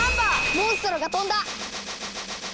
モンストロが飛んだ！